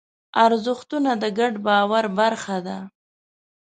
ارزښتونه د ګډ باور برخه ده.